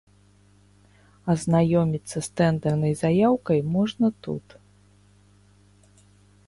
Азнаёміцца з тэндэрнай заяўкай можна тут.